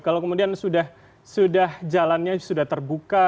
kalau kemudian sudah jalannya sudah terbuka